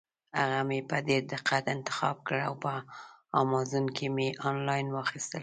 هغه مې په ډېر دقت انتخاب کړل او په امازان کې مې انلاین واخیستل.